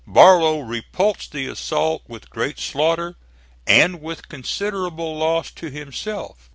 Barlow repulsed the assault with great slaughter, and with considerable loss to himself.